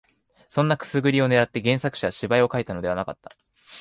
そんなくすぐりを狙って原作者は芝居を書いたのではなかった